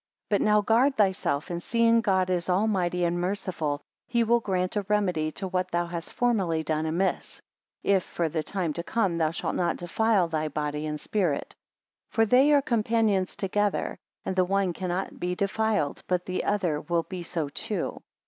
62 But now guard thyself; and seeing God is almighty and merciful, he will grant a remedy to what thou hast formerly done amiss, if for the time, to come thou shalt not defile thy body and spirit: 63 For they are companions together, and the one cannot be defiled but the other will be so too.